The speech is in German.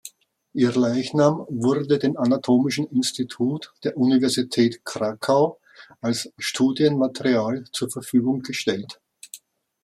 Ihr Leichnam wurde dem Anatomischen Institut der Universität Krakau als Studienmaterial zur Verfügung gestellt.